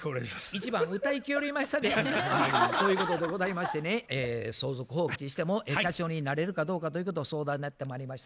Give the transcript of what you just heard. １番歌いきりよりましたで。ということでございましてね相続放棄しても社長になれるかどうかということを相談にやってまいりました。